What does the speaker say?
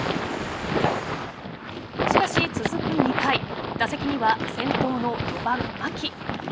しかし、続く２回打席には先頭の４番・牧。